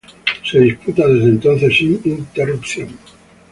Se disputa desde entonces sin interrupción.